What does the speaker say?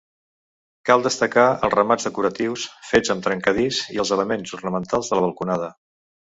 Cal destacar els remats decoratius fets amb trencadís i els elements ornamentals de la balconada.